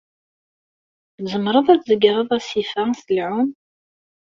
Tzemreḍ ad tzegreḍ asif-a s lɛum?